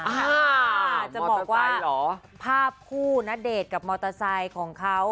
จะบอกว่าภาพคู่ณเดชน์กับมอเตอร์ไซค์ของเขา